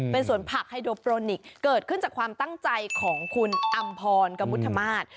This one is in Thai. เป็นสวนผักไฮโดโปรนิกเกิดขึ้นจากความตั้งใจของคุณอำพรกมุธมาตร